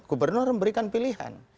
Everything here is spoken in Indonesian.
gubernur memberikan pilihan